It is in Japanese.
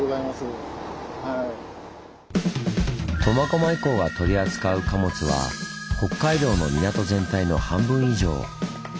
苫小牧港が取り扱う貨物は北海道の港全体の半分以上。